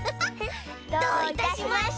どういたしまして！